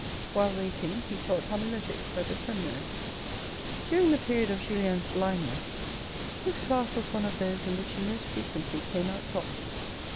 While waiting, he taught homiletics at the seminary. During the period of Julien's blindness, this class was one of those in which he most fre quently came out top.